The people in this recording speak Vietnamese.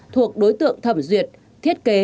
thuộc đối tượng thẩm duyệt thiết kế